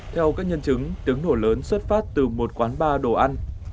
theo các nhân chứng tiếng nổ lớn xuất phát từ một quán bar đồ ăn